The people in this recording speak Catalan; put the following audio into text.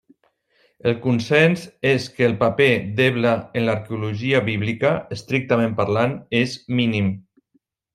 El consens és que el paper d'Ebla en l'arqueologia bíblica, estrictament parlant, és mínim.